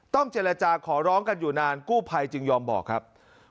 เจรจาขอร้องกันอยู่นานกู้ภัยจึงยอมบอกครับ